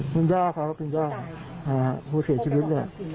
คุณยายคุณย่าของคุณย่าอ่าผู้เสียชีวิตเนี่ย